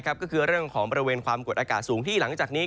ก็คือเรื่องของบริเวณความกดอากาศสูงที่หลังจากนี้